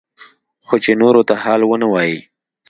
خو چې نورو ته حال ونه وايي.